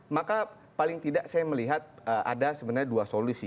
maka paling tidak saya melihat ada sebenarnya dua solusi